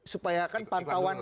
supaya kan pantauan